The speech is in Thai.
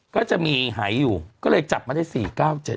ก็จะมีหายอยู่ก็เลยจับมาได้สี่เก้าเจ็ด